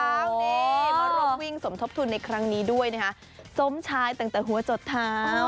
มารวมวิ่งสมทบทุนในครั้งนี้สมชายตั้งแต่หัวจดทาง